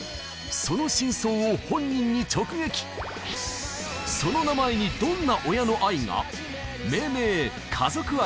その真相を本人に直撃その名前にどんな親の愛が？